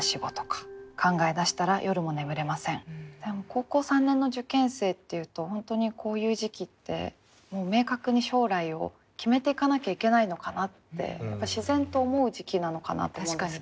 高校３年の受験生っていうと本当にこういう時期って明確に将来を決めていかなきゃいけないのかなってやっぱり自然と思う時期なのかなと思うんですけど。